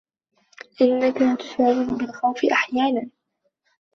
إنك تشعرني بالخوف أحيانا.